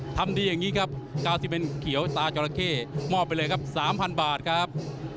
ทำดีอย่างนี้ครับ๙๑เขียวซาจอราเข้มอบไปเลยครับ๓๐๐บาทครับ